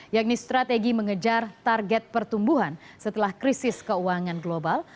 yakni strategi mengejar target pertumbuhan setelah krisis keuangan global